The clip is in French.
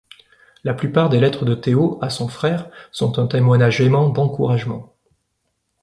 La plupart des lettres de Théo à son frère sont un témoignage aimant d'encouragement.